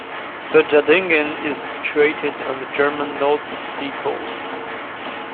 Butjadingen is situated on the German North Sea coast.